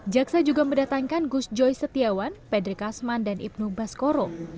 jaksa juga mendatangkan gus joy setiawan pedri kasman dan ibnu baskoro